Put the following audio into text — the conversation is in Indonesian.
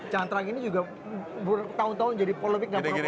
cantrang ini juga tahun tahun jadi polemik nggak pernah pun